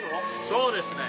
そうですね。